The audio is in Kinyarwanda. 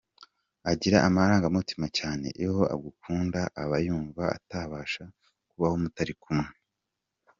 Agira amarangamutima cyane, iyo agukunda aba yumva atabasha kubaho mutari kumwe.